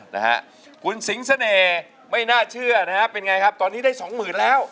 นะฮะคุณสิงเสน่ห์ไม่น่าเชื่อนะฮะเป็นไงครับตอนนี้ได้สองหมื่นแล้ว